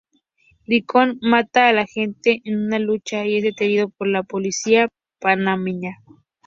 Lincoln mata al agente en una lucha, y es detenido por la policía panameña.